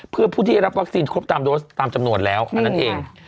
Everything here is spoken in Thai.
เพื่อผู้ที่ได้รับวัคซีนครบตามโดสตามจำนวนแล้วอันนั้นเอง